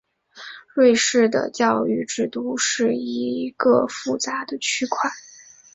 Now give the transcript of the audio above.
瑞士的教育制度是一个复杂的区块。